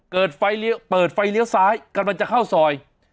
เกิดไฟเลี้ยวเปิดไฟเลี้ยวซ้ายกำลังจะเข้าซอย